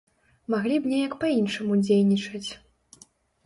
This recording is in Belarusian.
Маглі б неяк па-іншаму дзейнічаць.